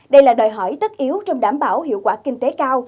đây là đòi hỏi tất yếu trong đảm bảo hiệu quả kinh tế cao